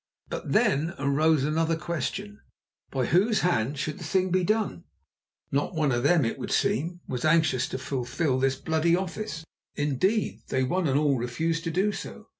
But then arose another question: By whose hand should the thing be done? Not one of them, it would seem, was anxious to fulfil this bloody office; indeed, they one and all refused to do so.